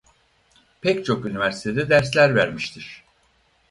Pek çok üniversitede dersler vermiştir.